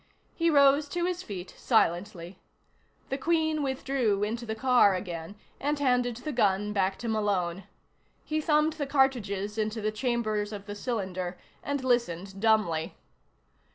He rose to his feet silently. The Queen withdrew into the car again and handed the gun back to Malone. He thumbed the cartridges into the chambers of the cylinder and listened dumbly.